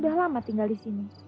udah lama tinggal disini